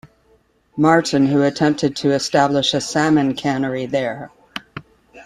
Martin who attempted to establish a salmon cannery there.